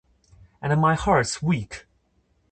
And my heart's weak.